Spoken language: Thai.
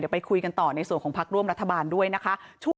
ไปคุยกันต่อในส่วนของพักร่วมรัฐบาลด้วยนะคะ